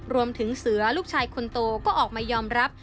รวมถึงเสือลูกชายคนโตก็ออกมายอมรับ